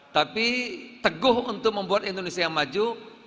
tapi teguh untuk membuat indonesia yang maju